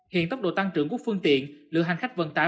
hiện tốc độ tăng trưởng của phương tiện lượng hành khách vận tải